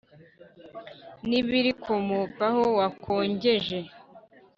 n ibirikomokaho wakongeje